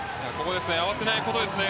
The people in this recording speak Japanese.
慌てないことですね。